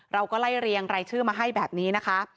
เราก็ไล่เรียงรายชื่อมาให้แบบนี้นะคะ